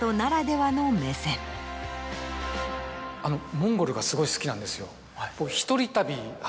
モンゴルがすごい好きなんですよ。